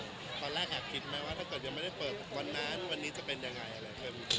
ตอนแรกคิดไหมว่าถ้าเกิดยังไม่ได้เปิดกว่านั้นวันนี้จะเป็นอย่างไร